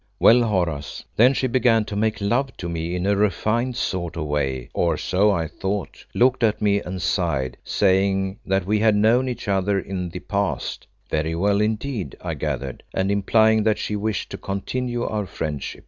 "Well, Horace, then she began to make love to me in a refined sort of way, or so I thought, looked at me and sighed, saying that we had known each other in the past very well indeed I gathered and implying that she wished to continue our friendship.